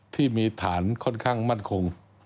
ที่มีฐานค่อนข้างมั่นคง